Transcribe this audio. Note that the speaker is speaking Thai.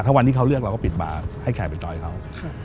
ถ้าวันที่เขาเลือกเราก็ปิดบากให้แขกไปต่อยเขา